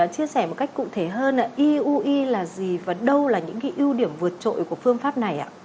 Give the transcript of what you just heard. chia sẻ một cách cụ thể hơn eui là gì và đâu là những ưu điểm vượt trội của phương pháp này